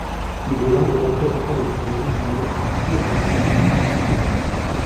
Il est l'un des représentants les plus originaux du préromantisme français.